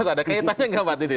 ada kaitannya gak mbak titi